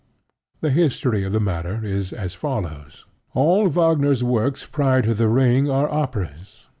The history of the matter is as follows. All Wagner's works prior to The Ring are operas.